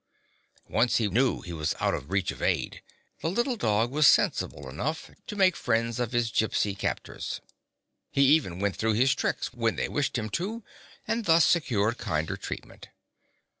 Once he knew that he was out of reach of aid, the little dog was sensible enough to make 29 GYPSY, THE TALKING DOG friends of his Gypsy captors. He even went through his tricks when they wished him to, and thus secured kinder treatment.